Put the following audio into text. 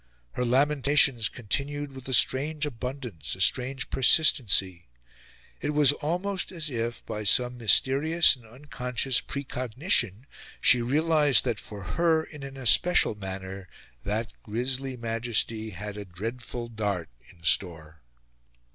Her lamentations continued with a strange abundance, a strange persistency. It was almost as if, by some mysterious and unconscious precognition, she realised that for her, in an especial manner, that grisly Majesty had a dreadful dart in store.